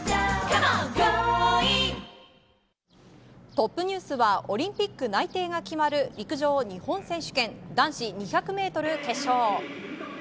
トップニュースはオリンピック内定が決まる陸上日本選手権男子２００ｍ決勝。